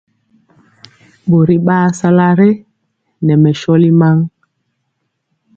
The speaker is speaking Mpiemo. Ɓori ɓaa sala re nɛ mɛ sɔli maŋ.